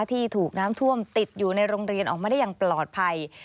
ที่ถูกน้ำท่วมติดอยู่ในโรงเรียนออกมาได้อย่างปลอดภัย